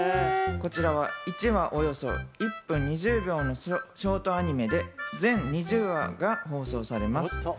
こちらは１話がおよそ１分２０秒のショートアニメで全２０話が放送されます。